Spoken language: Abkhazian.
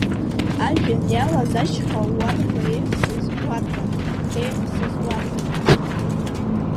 Ажәҩан иалаз ашьха уарба еихсыз уарбан, еихсыз уарбан?!